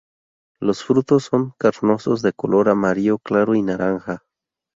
Los frutos son carnosos, de color amarillo claro y naranja.